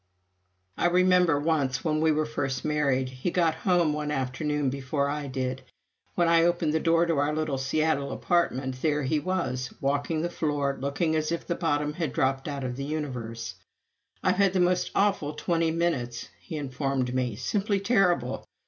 I remember once, when we were first married, he got home one afternoon before I did. When I opened the door to our little Seattle apartment, there he was, walking the floor, looking as if the bottom had dropped out of the universe. "I've had the most awful twenty minutes," he informed me, "simply terrible.